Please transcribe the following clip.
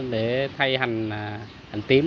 để thay hành tím